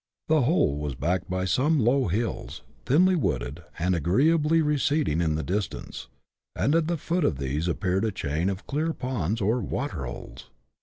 The whole was backed by some low hills, thinly wooded, and agreeably receding in the distance, and at the foot of these appeared a chain of clear ponds or " waterholes."